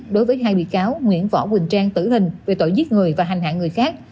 đối với hai bị cáo nguyễn võ quỳnh trang tử hình về tội giết người và hành hạ người khác